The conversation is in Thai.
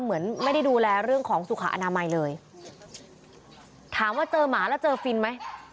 เหมือนไม่ได้ดูแลเรื่องของสุขอนามัยเลยถามว่าเจอหมาแล้วเจอฟินไหม